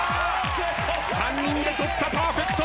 ３人で取ったパーフェクト！